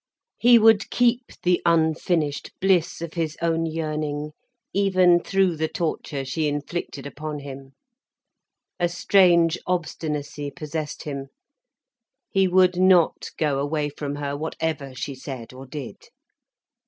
He would keep the unfinished bliss of his own yearning even through the torture she inflicted upon him. A strange obstinacy possessed him. He would not go away from her whatever she said or did.